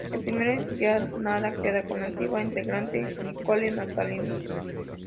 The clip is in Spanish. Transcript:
El primero es "Ya Nada Queda", con la antigua integrante Nicole Natalino.